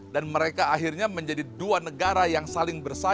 dan mereka akhirnya menjadi dua negara yang saling bersaing